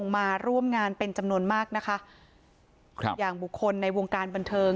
มาร่วมงานเป็นจำนวนมากนะคะครับอย่างบุคคลในวงการบันเทิง